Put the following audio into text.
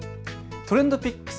ＴｒｅｎｄＰｉｃｋｓ